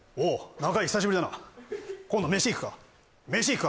中居久しぶりだな今度メシ行くか？